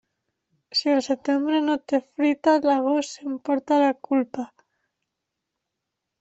Si el setembre no té fruita, l'agost s'emporta la culpa.